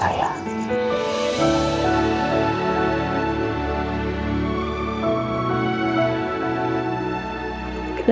oh pastinya kamu tahu